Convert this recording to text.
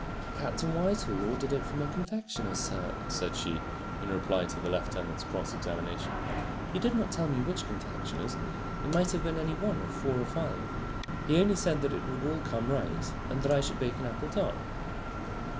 "Captain Whitehall ordered it from a confectioner's, sir," said she, in reply to the lieutenant's cross examination. "He did not tell me which confectioner's. It might have been any one of four or five. He only said that it would all come right, and that I should bake an apple tart."